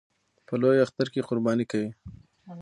په لوی اختر کې قرباني کوي